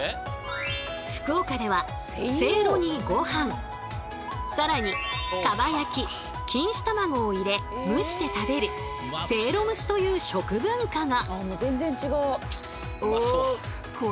福岡では更に蒲焼き錦糸卵を入れ蒸して食べるせいろ蒸しという食文化が。